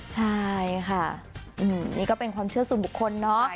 ใช่ค่ะนี่ก็เป็นความเชื่อส่วนบุคคลเนอะ